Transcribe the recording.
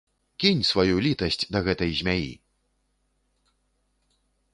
Кінь сваю літасць да гэтай змяі.